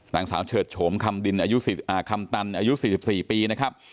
น้องสาวเฉิดโฉมคำตันอายุ๔๔ปีนะครับ